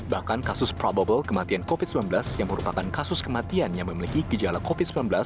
bahkan kasus probable kematian covid sembilan belas yang merupakan kasus kematian yang memiliki gejala covid sembilan belas